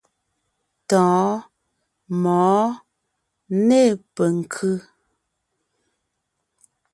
Tɔ̌ɔn, mɔ̌ɔn, nê penkʉ́.